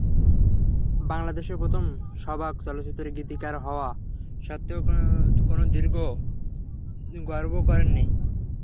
বাংলাদেশের প্রথম সবাক চলচিত্রের গীতিকার হওয়া সত্ত্বেও কোনো দিন গর্ব করেননি।